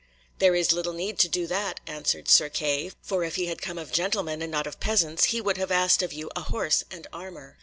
"There is little need to do that," answered Sir Kay, "for if he had come of gentlemen and not of peasants he would have asked of you a horse and armour.